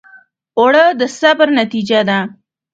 اوړه د صبر نتیجه ده